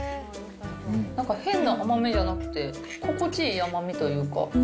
なんか変な甘みじゃなくて、心地いい甘みというか。